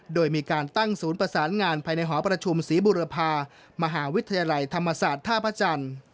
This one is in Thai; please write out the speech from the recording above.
โดยมีการตั้งศูนย์ประสานงานภายในหอประชุมศรีบุรพามหาวิทยาลัยธรรมศาสตร์ท่าพระจันทร์